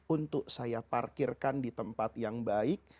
untuk saya parkirkan di tempat yang baik